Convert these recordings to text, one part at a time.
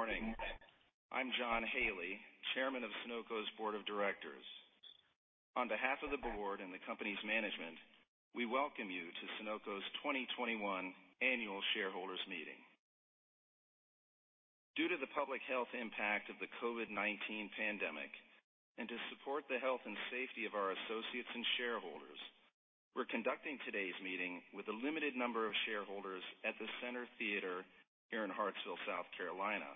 Morning. I'm John Haley, chairman of Sonoco's board of directors. On behalf of the board and the company's management, we welcome you to Sonoco's 2021 Annual Shareholders Meeting. Due to the public health impact of the COVID-19 pandemic, and to support the health and safety of our associates and shareholders, we're conducting today's meeting with a limited number of shareholders at the Center Theatre here in Hartsville, South Carolina,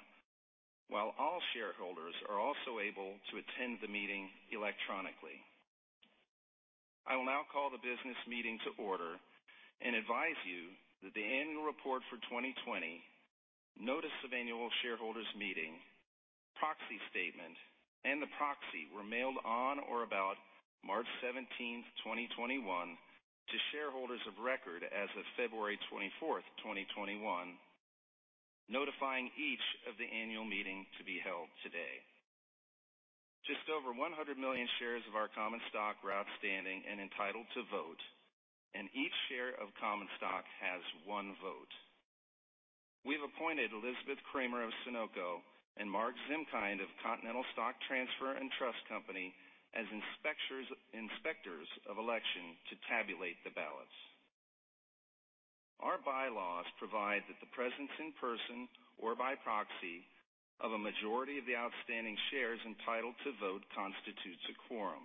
while all shareholders are also able to attend the meeting electronically. I will now call the business meeting to order and advise you that the annual report for 2020, notice of Annual Shareholders Meeting, proxy statement, and the proxy were mailed on or about March 17th, 2021 to shareholders of record as of February 24th, 2021, notifying each of the Annual Meeting to be held today. Just over 100 million shares of our common stock were outstanding and entitled to vote, and each share of common stock has one vote. We've appointed Elizabeth Kremer of Sonoco and Mark Zimkind of Continental Stock Transfer & Trust Company as inspectors of election to tabulate the ballots. Our bylaws provide that the presence in person or by proxy of a majority of the outstanding shares entitled to vote constitutes a quorum.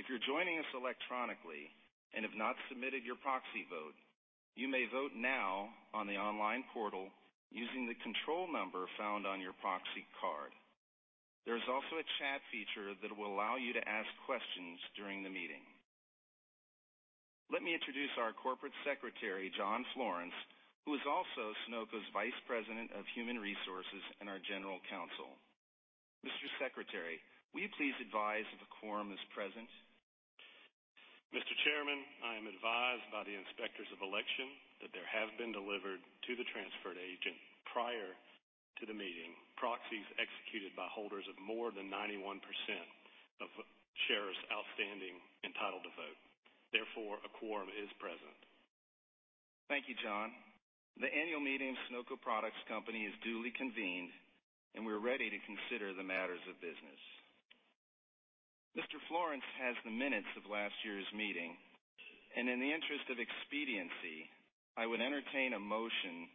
If you're joining us electronically and have not submitted your proxy vote, you may vote now on the online portal using the control number found on your proxy card. There is also a chat feature that will allow you to ask questions during the meeting. Let me introduce our Corporate Secretary, John Florence, who is also Sonoco's Vice President of Human Resources and our General Counsel. Mr. Secretary, will you please advise if a quorum is present? Mr. Chairman, I am advised by the inspectors of election that there have been delivered to the transfer agent prior to the meeting proxies executed by holders of more than 91% of shares outstanding entitled to vote. Therefore, a quorum is present. Thank you, John. The Annual Meeting of Sonoco Products Company is duly convened, and we are ready to consider the matters of business. Mr. Florence has the minutes of last year's meeting, and in the interest of expediency, I would entertain a motion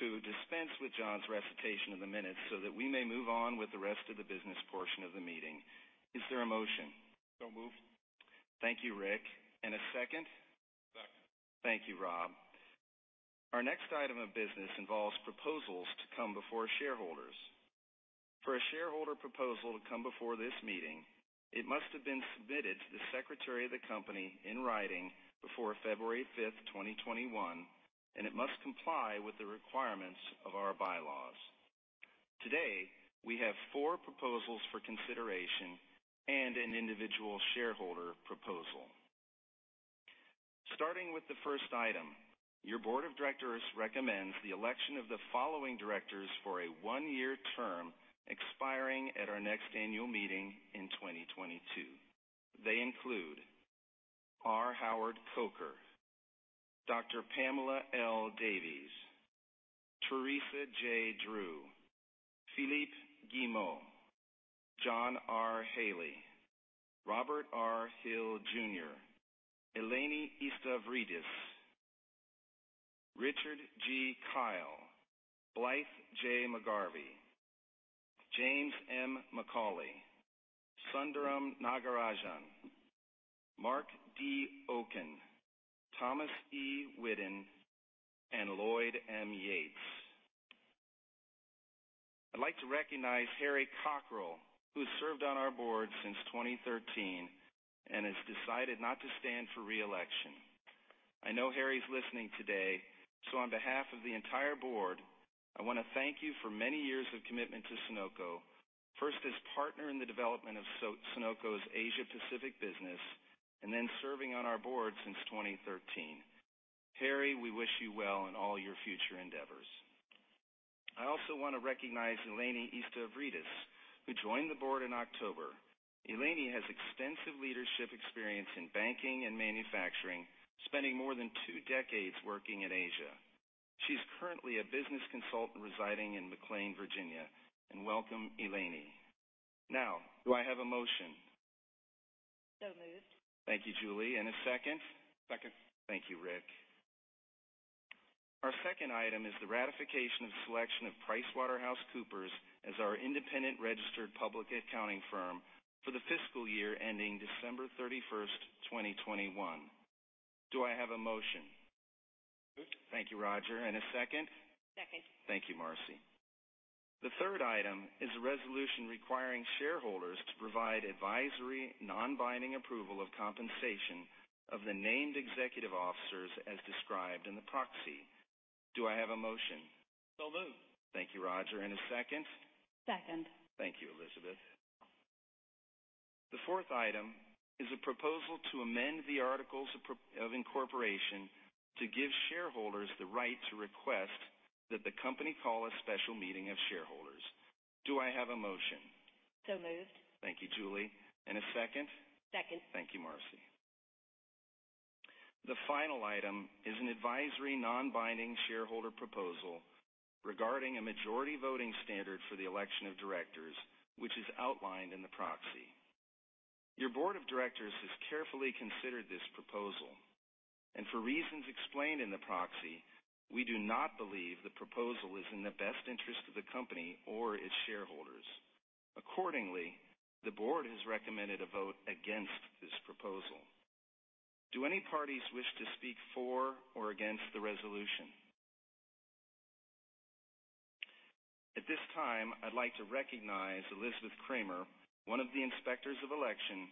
to dispense with John's recitation of the minutes so that we may move on with the rest of the business portion of the meeting. Is there a motion? Moved. Thank you, Rick. A second? Rob. Thank you, Rob. Our next item of business involves proposals to come before shareholders. For a shareholder proposal to come before this meeting, it must have been submitted to the secretary of the company in writing before February 5th, 2021, and it must comply with the requirements of our bylaws. Today, we have four proposals for consideration and an individual shareholder proposal. Starting with the first item, your board of directors recommends the election of the following directors for a one-year term expiring at our next Annual Meeting in 2022. They include R. Howard Coker, Dr. Pamela L. Davies, Theresa J. Drew, Philippe Guillemot, John R. Haley, Robert R. Hill Jr., Eleni Istavridis, Richard G. Kyle, Blythe J. McGarvey, James M. Micali, Sundaram Nagarajan, Marc D. Oken, Thomas E. Whiddon, and Lloyd M. Yates. I'd like to recognize Harry Cockrell, who served on our board since 2013 and has decided not to stand for re-election. I know Harry's listening today. On behalf of the entire board, I want to thank you for many years of commitment to Sonoco, first as partner in the development of Sonoco's Asia Pacific business and then serving on our board since 2013. Harry, we wish you well in all your future endeavors. I also want to recognize Eleni Istavridis, who joined the board in October. Eleni has extensive leadership experience in banking and manufacturing, spending more than two decades working in Asia. She's currently a business consultant residing in McLean, Virginia. Welcome, Eleni. Now, do I have a motion? Moved. Thank you, Julie. A second? Second. Thank you, Rick. Our second item is the ratification of selection of PricewaterhouseCoopers as our independent registered public accounting firm for the fiscal year ending December 31st, 2021. Do I have a motion? Moved. Thank you, Roger. A second? Second. Thank you, Marcy. The third item is a resolution requiring shareholders to provide advisory non-binding approval of compensation of the named executive officers as described in the proxy. Do I have a motion? Moved. Thank you, Roger. A second? Second. Thank you, Elizabeth. The fourth item is a proposal to amend the articles of incorporation to give shareholders the right to request that the company call a special meeting of shareholders. Do I have a motion? Moved. Thank you, Julie. A second? Second. Thank you, Marcy. The final item is an advisory non-binding shareholder proposal regarding a majority voting standard for the election of directors, which is outlined in the proxy. Your board of directors has carefully considered this proposal, and for reasons explained in the proxy, we do not believe the proposal is in the best interest of the company or its shareholders. Accordingly, the board has recommended a vote against this proposal. Do any parties wish to speak for or against the resolution? At this time, I'd like to recognize Elizabeth Kremer, one of the inspectors of election,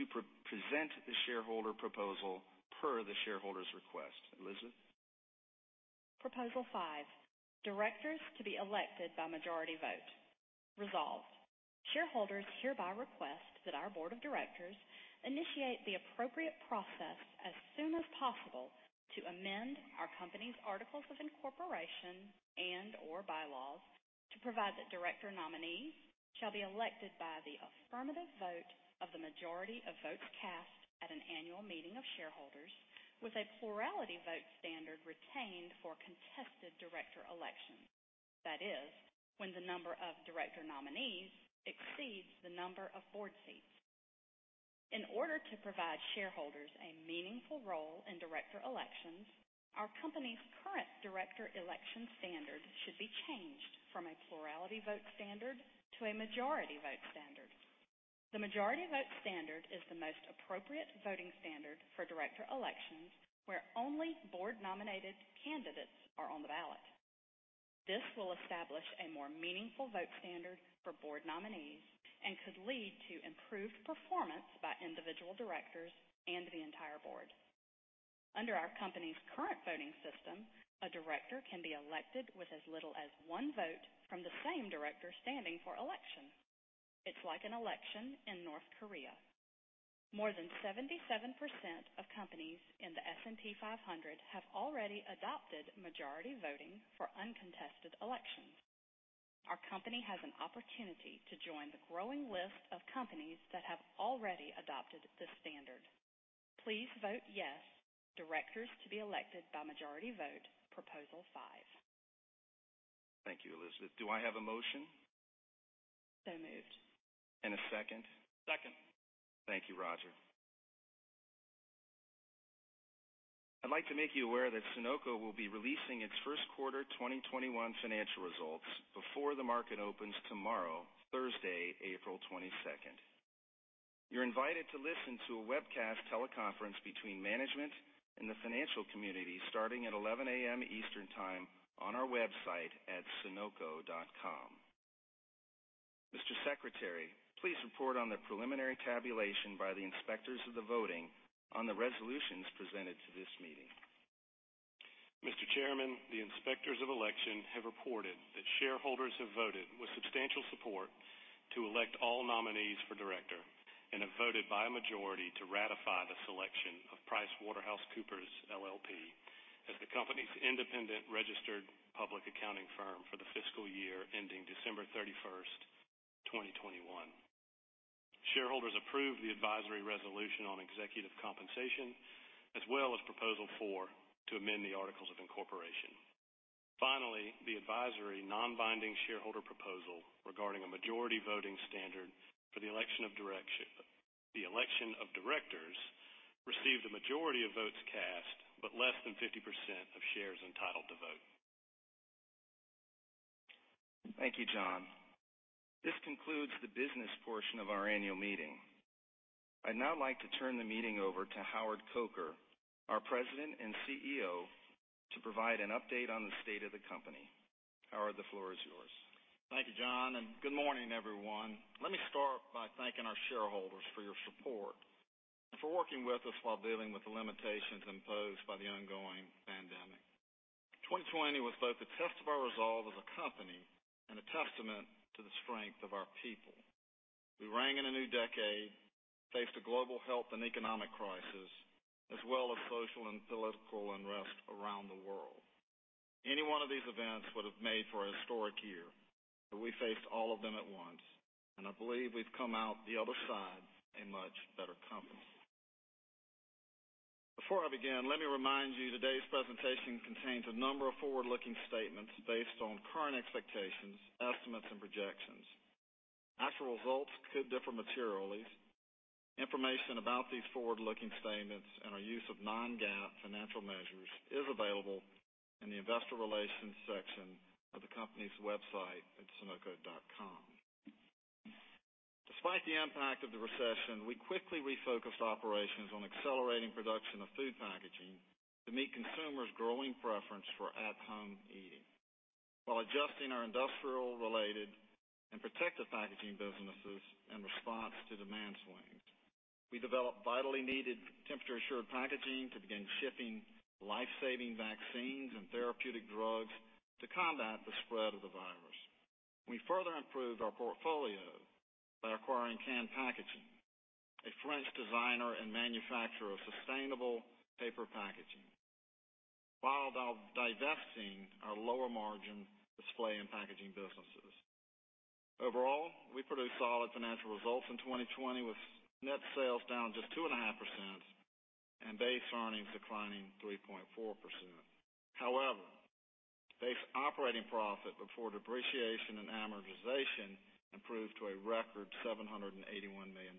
to present the shareholder proposal per the shareholder's request. Elizabeth? Proposal five, directors to be elected by majority vote. Resolved, shareholders hereby request that our board of directors initiate the appropriate process as soon as possible to amend our company's articles of incorporation and/or bylaws to provide that director nominees shall be elected by the affirmative vote of the majority of votes cast at an Annual Meeting of Shareholders with a plurality vote standard retained for contested director elections. That is when the number of director nominees exceeds the number of board seats. In order to provide shareholders a meaningful role in director elections, our company's current director election standard should be changed from a plurality vote standard to a majority vote standard. The majority vote standard is the most appropriate voting standard for director elections where only board-nominated candidates are on the ballot. This will establish a more meaningful vote standard for board nominees and could lead to improved performance by individual directors and the entire board. Under our company's current voting system, a director can be elected with as little as one vote from the same director standing for election. It's like an election in North Korea. More than 77% of companies in the S&P 500 have already adopted majority voting for uncontested elections. Our company has an opportunity to join the growing list of companies that have already adopted this standard. Please vote yes, directors to be elected by majority vote, proposal five. Thank you, Elizabeth. Do I have a motion? Moved. A second? Second. Thank you, Roger. I'd like to make you aware that Sonoco will be releasing its first quarter 2021 financial results before the market opens tomorrow, Thursday, April 22nd. You're invited to listen to a webcast teleconference between management and the financial community starting at 11:00 A.M. Eastern Time on our website at sonoco.com. Mr. Secretary, please report on the preliminary tabulation by the inspectors of the voting on the resolutions presented to this meeting. Mr. Chairman, the inspectors of election have reported that shareholders have voted with substantial support to elect all nominees for director and have voted by a majority to ratify the selection of PricewaterhouseCoopers LLP as the company's independent registered public accounting firm for the fiscal year ending December 31st, 2021. Shareholders approved the advisory resolution on executive compensation, as well as proposal four to amend the articles of incorporation. The advisory non-binding shareholder proposal regarding a majority voting standard for the election of directors received a majority of votes cast, but less than 50% of shares entitled to vote. Thank you, John. This concludes the business portion of our Annual Meeting. I'd now like to turn the meeting over to Howard Coker, our President and CEO, to provide an update on the state of the company. Howard, the floor is yours. Thank you, John, and good morning, everyone. Let me start by thanking our shareholders for your support and for working with us while dealing with the limitations imposed by the ongoing pandemic. 2020 was both a test of our resolve as a company and a testament to the strength of our people. We rang in a new decade, faced a global health and economic crisis, as well as social and political unrest around the world. Any one of these events would have made for a historic year, but we faced all of them at once, and I believe we've come out the other side a much better company. Before I begin, let me remind you today's presentation contains a number of forward-looking statements based on current expectations, estimates, and projections. Actual results could differ materially. Information about these forward-looking statements and our use of non-GAAP financial measures is available in the Investor Relations section of the company's website at sonoco.com. Despite the impact of the recession, we quickly refocused operations on accelerating production of food packaging to meet consumers' growing preference for at-home eating while adjusting our industrial-related and protective packaging businesses in response to demand swings. We developed vitally needed temperature-assured packaging to begin shipping life-saving vaccines and therapeutic drugs to combat the spread of the virus. We further improved our portfolio by acquiring Can Packaging, a French designer and manufacturer of sustainable paper while divesting our lower margin display and packaging businesses. Overall, we produced solid financial results in 2020 with net sales down just 2.5% and base earnings declining 3.4%. However, base operating profit before depreciation and amortization improved to a record $781 million.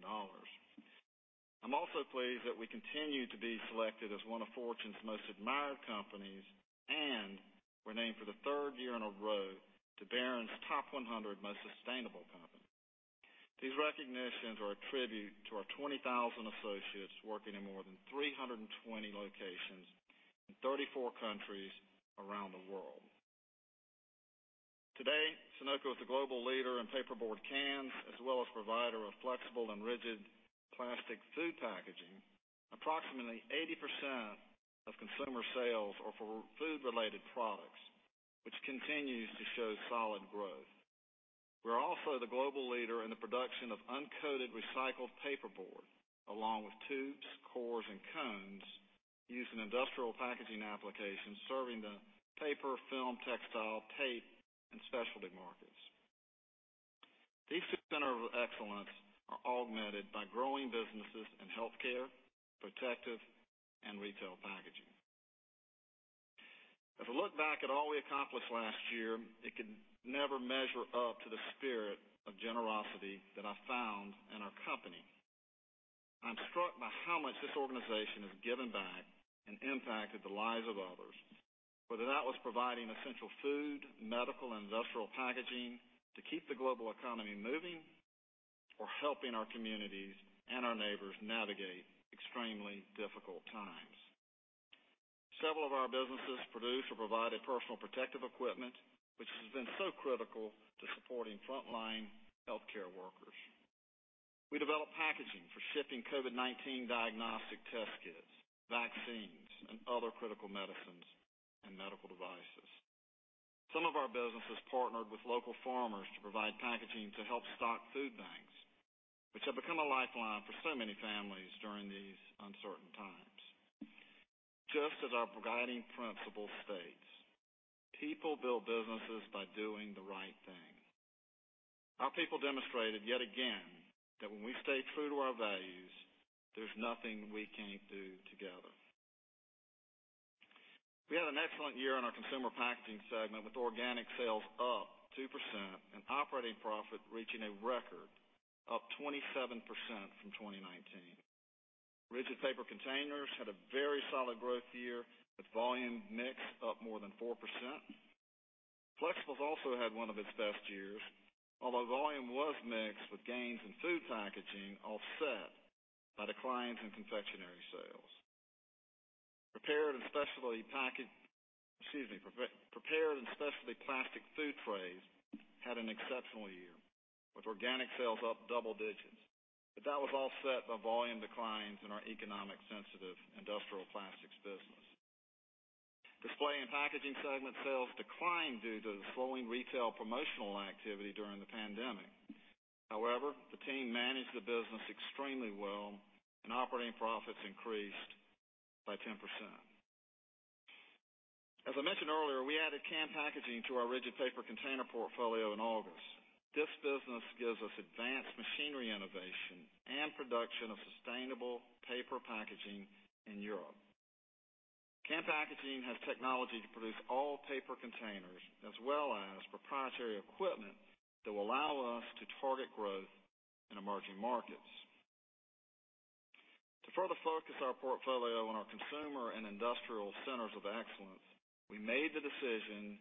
I'm also pleased that we continue to be selected as one of Fortune's Most Admired Companies, and were named for the third year in a row to Barron's Top 100 Most Sustainable Companies. These recognitions are a tribute to our 20,000 associates working in more than 320 locations in 34 countries around the world. Today, Sonoco is the global leader in paperboard cans as well as provider of flexible and rigid plastic food packaging. Approximately 80% of consumer sales are for food-related products, which continues to show solid growth. We're also the global leader in the production of uncoated recycled paperboard, along with tubes, cores, and cones used in industrial packaging applications, serving the paper, film, textile, tape, and specialty markets. These centers of excellence are augmented by growing businesses in healthcare, protective, and retail packaging. As I look back at all we accomplished last year, it could never measure up to the spirit of generosity that I found in our company. I'm struck by how much this organization has given back and impacted the lives of others, whether that was providing essential food, medical, and industrial packaging to keep the global economy moving, or helping our communities and our neighbors navigate extremely difficult times. Several of our businesses produced or provided personal protective equipment, which has been so critical to supporting frontline healthcare workers. We developed packaging for shipping COVID-19 diagnostic test kits, vaccines, and other critical medicines and medical devices. Some of our businesses partnered with local farmers to provide packaging to help stock food banks, which have become a lifeline for so many families during these uncertain times. Just as our guiding principle states, "People Build Businesses by Doing The Right Thing." Our people demonstrated, yet again, that when we stay true to our values, there's nothing we can't do together. We had an excellent year in our Consumer Packaging segment, with organic sales up 2% and operating profit reaching a record, up 27% from 2019. Rigid paper containers had a very solid growth year, with volume mix up more than 4%. Flexibles also had one of its best years, although volume was mixed with gains in food packaging offset by declines in confectionery sales. Prepared and specialty plastic food trays had an exceptional year, with organic sales up double digits. That was offset by volume declines in our economic sensitive industrial plastics business. Display and Packaging segment sales declined due to the slowing retail promotional activity during the pandemic. However, the team managed the business extremely well, and operating profits increased by 10%. As I mentioned earlier, we added Can Packaging to our rigid paper container portfolio in August. This business gives us advanced machinery innovation and production of sustainable paper packaging in Europe. Can Packaging has technology to produce all paper containers, as well as proprietary equipment that will allow us to target growth in emerging markets. To further focus our portfolio on our consumer and industrial centers of excellence, we made the decision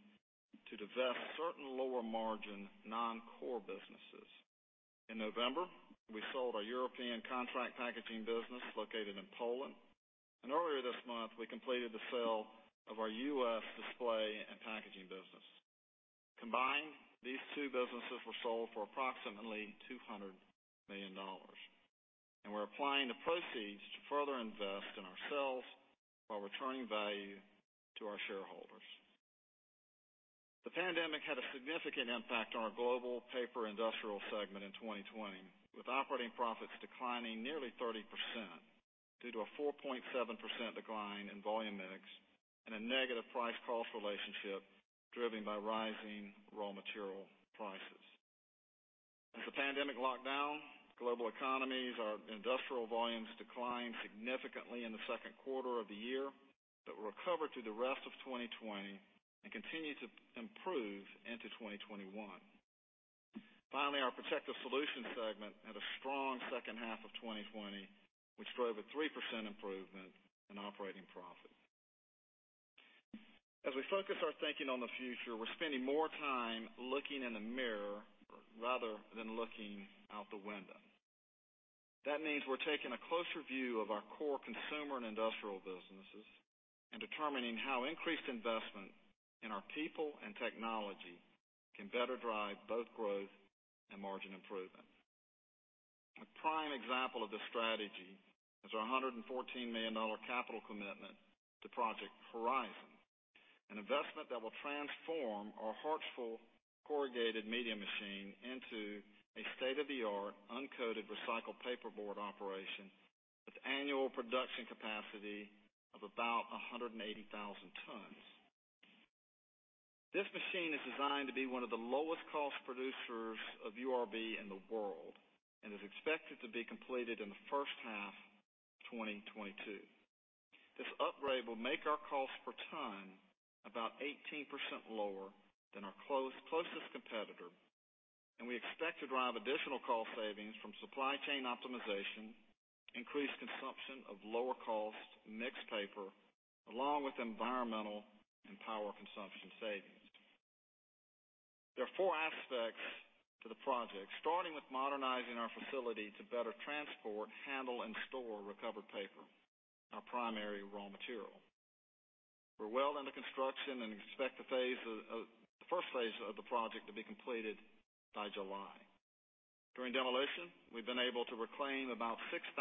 to divest certain lower margin non-core businesses. In November, we sold our European contract packaging business located in Poland. Earlier this month, we completed the sale of our U.S. display and packaging business. Combined, these two businesses were sold for approximately $200 million. We're applying the proceeds to further invest in ourselves while returning value to our shareholders. The pandemic had a significant impact on our global paper industrial segment in 2020, with operating profits declining nearly 30% due to a 4.7% decline in volume mix and a negative price-cost relationship driven by rising raw material prices. As the pandemic locked down global economies, our industrial volumes declined significantly in the second quarter of the year, but recovered through the rest of 2020 and continue to improve into 2021. Finally, our Protective Solutions segment had a strong second half of 2020, which drove a 3% improvement in operating profit. As we focus our thinking on the future, we're spending more time looking in the mirror rather than looking out the window. That means we're taking a closer view of our core consumer and industrial businesses and determining how increased investment in our people and technology can better drive both growth and margin improvement. A prime example of this strategy is our $114 million capital commitment to Project Horizon. An investment that will transform our Hartsville corrugated medium machine into a state-of-the-art uncoated recycled paperboard operation with annual production capacity of about 180,000 tons. This machine is designed to be one of the lowest cost producers of URB in the world and is expected to be completed in the first half of 2022. This upgrade will make our cost per ton about 18% lower than our closest competitor, and we expect to drive additional cost savings from supply chain optimization, increased consumption of lower cost mixed paper, along with environmental and power consumption savings. There are four aspects to the project, starting with modernizing our facility to better transport, handle, and store recovered paper, our primary raw material. We're well into construction and expect the first phase of the project to be completed by July. During demolition, we've been able to reclaim about 6,000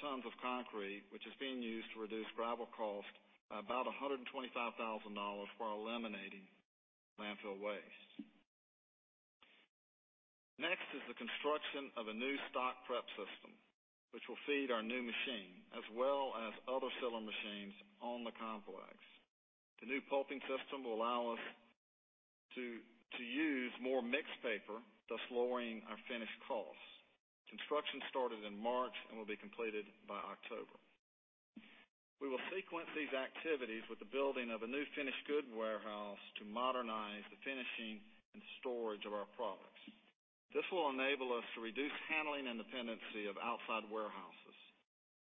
tons of concrete, which is being used to reduce gravel cost by about $125,000 while eliminating landfill waste. Next is the construction of a new stock prep system, which will feed our new machine as well as other similar machines on the complex. The new pulping system will allow us to use more mixed paper, thus lowering our finished costs. Construction started in March and will be completed by October. We will sequence these activities with the building of a new finished good warehouse to modernize the finishing and storage of our products. This will enable us to reduce handling and dependency of outside warehouses,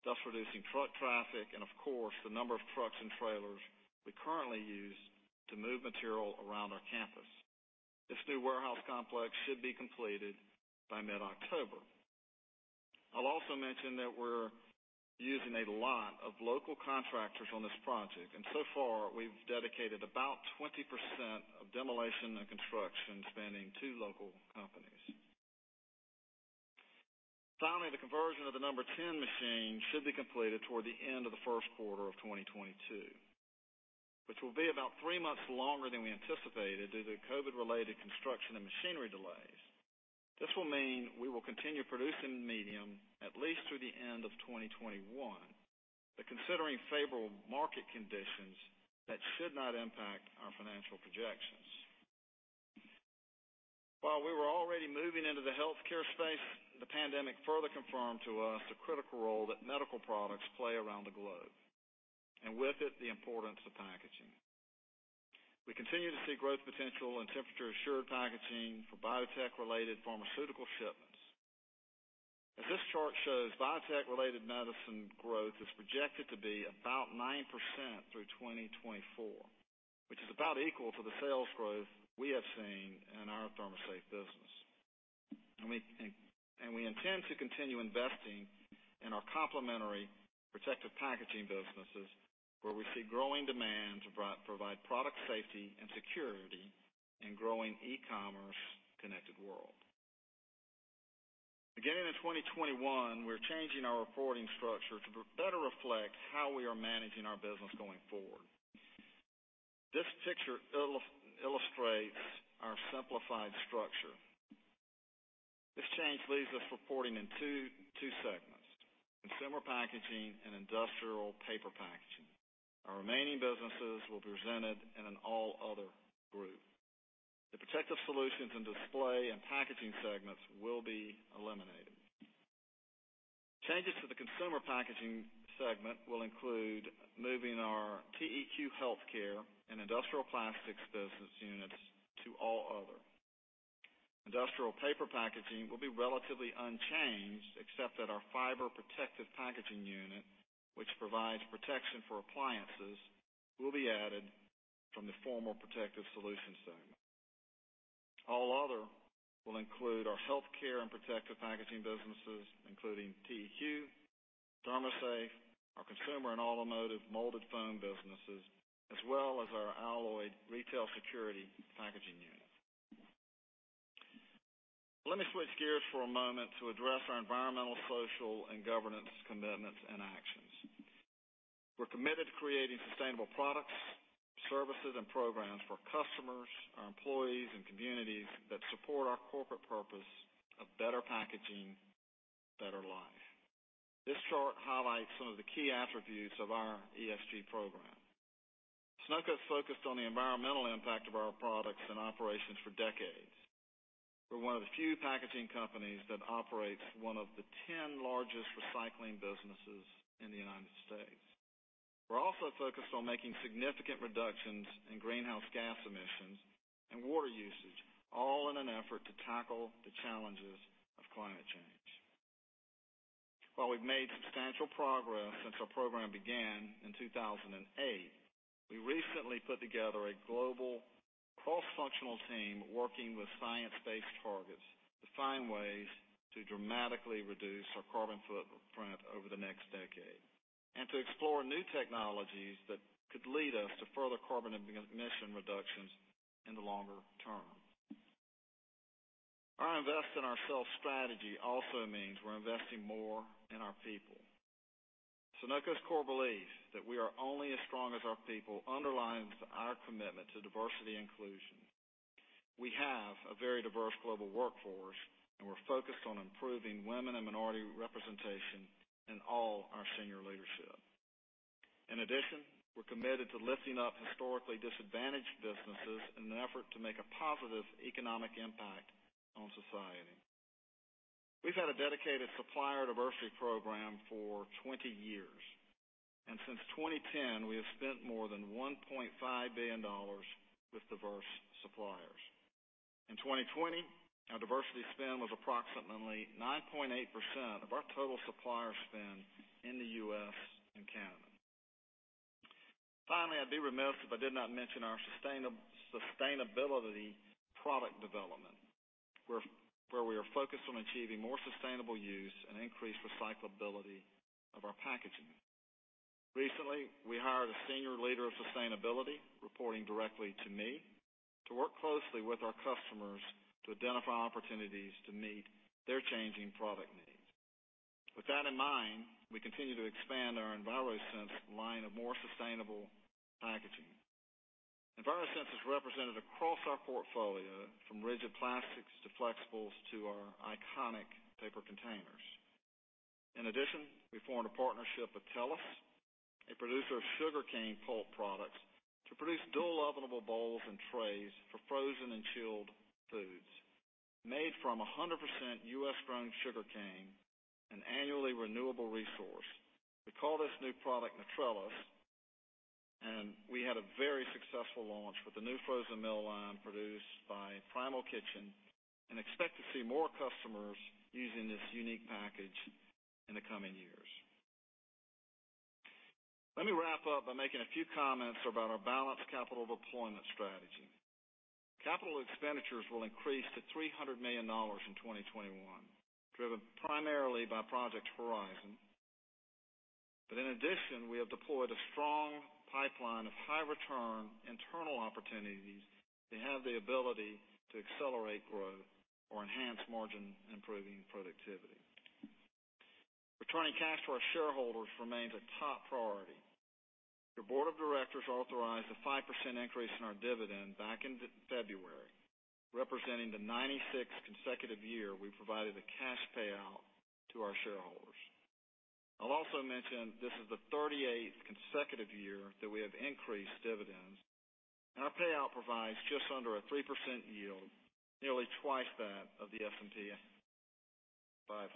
thus reducing truck traffic and, of course, the number of trucks and trailers we currently use to move material around our campus. This new warehouse complex should be completed by mid-October. I'll also mention that we're using a lot of local contractors on this project, and so far, we've dedicated about 20% of demolition and construction spending to local companies. Finally, the conversion of the number 10 machine should be completed toward the end of the first quarter of 2022, which will be about three months longer than we anticipated due to COVID-related construction and machinery delays. This will mean we will continue producing medium at least through the end of 2021. Considering favorable market conditions, that should not impact our financial projections. While we were already moving into the healthcare space, the pandemic further confirmed to us the critical role that medical products play around the globe, and with it, the importance of packaging. We continue to see growth potential in temperature-assured packaging for biotech-related pharmaceutical shipments. As this chart shows, biotech-related medicine growth is projected to be about 9% through 2024, which is about equal to the sales growth we have seen in our ThermoSafe business. We intend to continue investing in our complementary protective packaging businesses, where we see growing demand to provide product safety and security in a growing e-commerce connected world. Beginning in 2021, we're changing our reporting structure to better reflect how we are managing our business going forward. This picture illustrates our simplified structure. This change leaves us reporting in two segments, Consumer Packaging and Industrial Paper Packaging. Our remaining businesses will be presented in an all other group. The Protective Solutions and Display and Packaging segments will be eliminated. Changes to the Consumer Packaging segment will include moving our TEQ Healthcare and industrial plastics business units to All Other. Industrial Paper Packaging will be relatively unchanged, except that our fiber protective packaging unit, which provides protection for appliances, will be added from the former Protective Solutions segment. All other will include our healthcare and Protective Packaging businesses, including TEQ, ThermoSafe, our consumer and automotive molded foam businesses, as well as our Alloyd retail security packaging unit. Let me switch gears for a moment to address our Environmental, Social, and Governance commitments and actions. We're committed to creating sustainable products, services, and programs for customers, our employees, and communities that support our corporate purpose of Better Packaging, Better Life. This chart highlights some of the key attributes of our ESG program. Sonoco's focused on the environmental impact of our products and operations for decades. We're one of the few packaging companies that operates one of the 10 largest recycling businesses in the U.S. We're also focused on making significant reductions in greenhouse gas emissions and water usage, all in an effort to tackle the challenges of climate change. While we've made substantial progress since our program began in 2008, we recently put together a global cross-functional team working with science-based targets to find ways to dramatically reduce our carbon footprint over the next decade and to explore new technologies that could lead us to further carbon emission reductions in the longer term. Our Invest in Ourselves strategy also means we're investing more in our people. Sonoco's core belief that we are only as strong as our people underlines our commitment to diversity and inclusion. We have a very diverse global workforce, and we're focused on improving women and minority representation in all our senior leadership. In addition, we're committed to lifting up historically disadvantaged businesses in an effort to make a positive economic impact on society. We've had a dedicated supplier diversity program for 20 years, and since 2010, we have spent more than $1.5 billion with diverse suppliers. In 2020, our diversity spend was approximately 9.8% of our total supplier spend in the U.S. and Canada. Finally, I'd be remiss if I did not mention our sustainability product development, where we are focused on achieving more sustainable use and increased recyclability of our packaging. Recently, we hired a senior leader of sustainability, reporting directly to me, to work closely with our customers to identify opportunities to meet their changing product needs. With that in mind, we continue to expand our EnviroSense line of more sustainable packaging. EnviroSense is represented across our portfolio, from rigid plastics to flexibles, to our iconic paper containers. In addition, we formed a partnership with Tellus, a producer of sugarcane pulp products, to produce dual ovenable bowls and trays for frozen and chilled foods. Made from 100% U.S.-grown sugarcane, an annually renewable resource. We call this new product Natrellis, and we had a very successful launch with the new frozen meal line produced by Primal Kitchen, and expect to see more customers using this unique package in the coming years. Let me wrap up by making a few comments about our balanced capital deployment strategy. Capital expenditures will increase to $300 million in 2021, driven primarily by Project Horizon. In addition, we have deployed a strong pipeline of high return internal opportunities that have the ability to accelerate growth or enhance margin-improving productivity. Returning cash to our shareholders remains a top priority. Your board of directors authorized a 5% increase in our dividend back in February, representing the 96th consecutive year we've provided a cash payout to our shareholders. I'll also mention this is the 38th consecutive year that we have increased dividends, and our payout provides just under a 3% yield, nearly twice that of the S&P 500.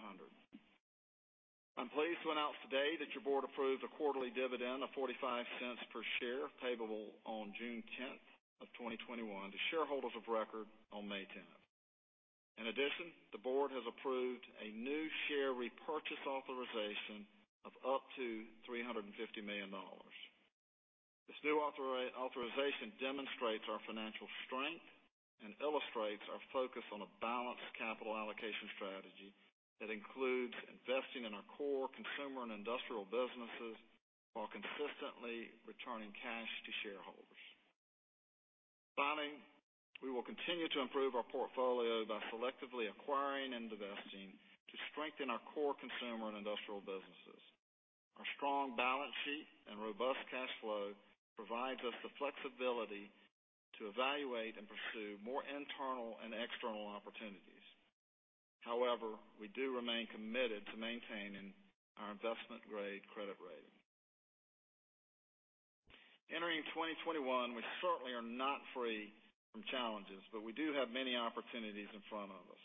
I'm pleased to announce today that your board approved a quarterly dividend of $0.45 per share, payable on June 10th of 2021 to shareholders of record on May 10th. In addition, the board has approved a new share repurchase authorization of up to $350 million. This new authorization demonstrates our financial strength and illustrates our focus on a balanced capital allocation strategy that includes investing in our core consumer and industrial businesses while consistently returning cash to shareholders. Finally, we will continue to improve our portfolio by selectively acquiring and divesting to strengthen our core consumer and industrial businesses. Our strong balance sheet and robust cash flow provides us the flexibility to evaluate and pursue more internal and external opportunities. However, we do remain committed to maintaining our investment-grade credit rating. Entering 2021, we certainly are not free from challenges, but we do have many opportunities in front of us.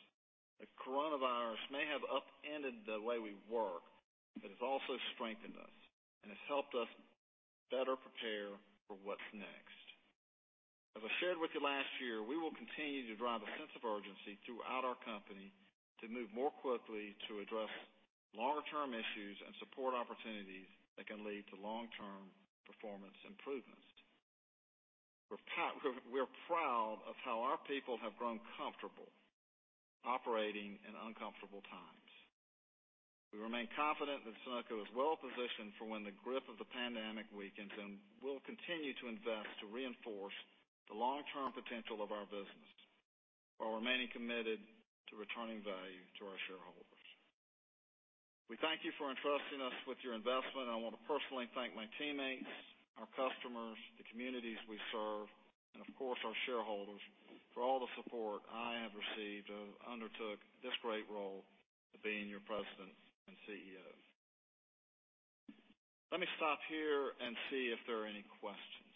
The coronavirus may have upended the way we work, but it's also strengthened us and has helped us better prepare for what's next. As I shared with you last year, we will continue to drive a sense of urgency throughout our company to move more quickly to address longer-term issues and support opportunities that can lead to long-term performance improvements. We're proud of how our people have grown comfortable operating in uncomfortable times. We remain confident that Sonoco is well-positioned for when the grip of the pandemic weakens, and we'll continue to invest to reinforce the long-term potential of our business, while remaining committed to returning value to our shareholders. We thank you for entrusting us with your investment, and I want to personally thank my teammates, our customers, the communities we serve, and of course, our shareholders for all the support I have received as I undertook this great role of being your President and CEO. Let me stop here and see if there are any questions